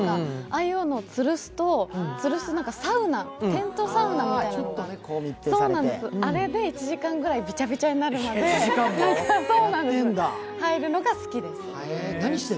ああいうのをつるすテントサウナみたいなのがあって、あれで１時間ぐらい、びちゃびちゃになるまで入るのが好きです。